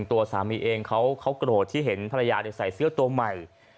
ตัวสามีเองเขาโกรธที่เห็นภรรยาใส่เสื้อตัวใหม่